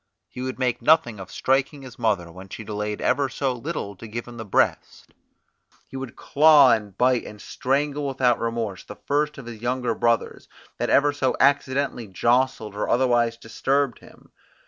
He would make nothing of striking his mother when she delayed ever so little to give him the breast; he would claw, and bite, and strangle without remorse the first of his younger brothers, that ever so accidentally jostled or otherwise disturbed him.